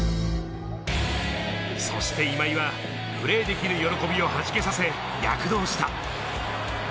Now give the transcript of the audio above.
そして今井は、プレーできる喜びをはじけさせ、躍動した。